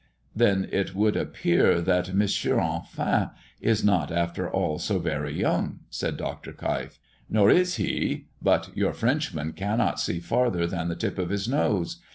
"Then it would appear that M. Enfin is not, after all, so very wrong," said Dr. Keif. "Nor is he; but your Frenchman cannot see farther than the tip of his nose.